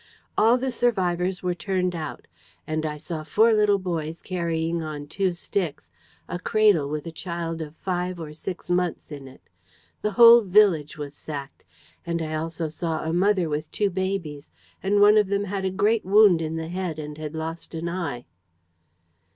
All the survivors were turned out; and I saw four little boys carrying on two sticks a cradle with a child of five or six months in it. The whole village was sacked. And I also saw a mother with two babies and one of them had a great wound in the head and had lost an eye.'"